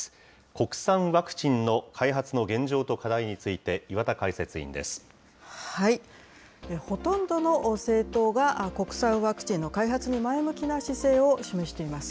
国産ワクチンの開発の現状と課題について、ほとんどの政党が、国産ワクチンの開発に前向きな姿勢を示しています。